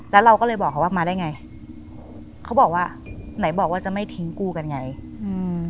แล้วเราก็เลยบอกเขาว่ามาได้ไงเขาบอกว่าไหนบอกว่าจะไม่ทิ้งกูกันไงอืม